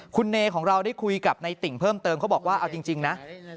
คุณเนของเราได้คุยกับในติ่งเพิ่มเติมเขาบอกว่าเอาจริงนะ